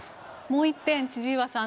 もう１点、千々岩さん